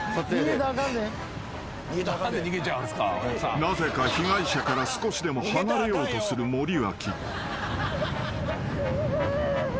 ［なぜか被害者から少しでも離れようとする森脇］